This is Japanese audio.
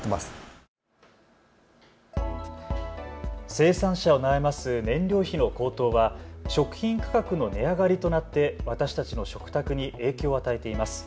生産者を悩ます燃料費の高騰は食品価格の値上がりとなって私たちの食卓に影響を与えています。